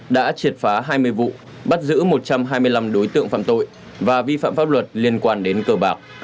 đã triệt phá hai mươi vụ bắt giữ một trăm hai mươi năm đối tượng phạm tội và vi phạm pháp luật liên quan đến cờ bạc